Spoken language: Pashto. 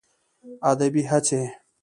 ادبي هڅې